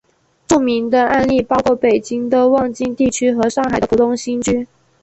著名的案例包括北京的望京地区和上海的浦东新区。